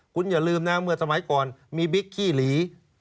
คุณอย่าลืมนะเมื่อสมัยก่อนมีบิ๊กขี้หลี